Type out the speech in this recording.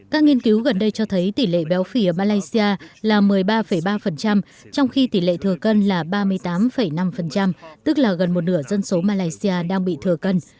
các nghiên cứu gần đây cho thấy tỷ lệ béo phì ở malaysia là một mươi ba ba trong khi tỷ lệ thừa cân là ba mươi tám năm tức là gần một nửa dân số malaysia đang bị thừa cân